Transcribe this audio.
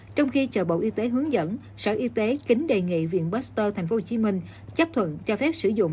trong khi chờ bộ y tế hướng dẫn sở y tế kính đề nghị viện baxter tp hcm chấp thuận cho phép sử dụng